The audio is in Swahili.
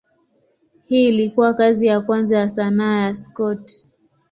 Hii ilikuwa kazi ya kwanza ya sanaa ya Scott.